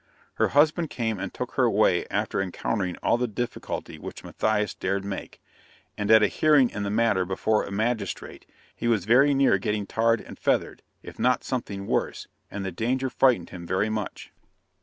Her husband came and took her away after encountering all the difficulty which Matthias dared make; and, at a hearing in the matter before a magistrate, he was very near getting tarred and feathered, if not something worse, and the danger frightened him very much.